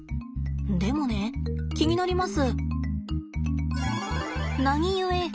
でもね気になります。